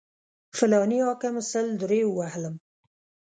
فلاني حاکم سل درې ووهلم.